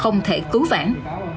không thể cứu vãn